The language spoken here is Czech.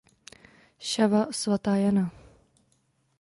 Shawa "Svatá Jana".